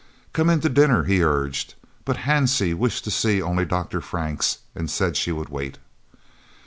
"Come in to dinner," he urged, but Hansie wished to see only Dr. Franks and said she would wait.